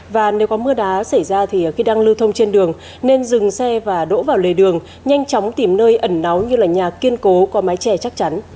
và nếu có mưa đá xảy ra thì khi đang lưu thông trên đường nên dừng xe và đỗ vào lề đường nhanh chóng tìm nơi ẩn nóng như là nhà kiên cố có mái chè chắc chắn